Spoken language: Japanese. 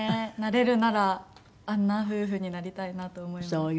なれるならあんな夫婦になりたいなと思います。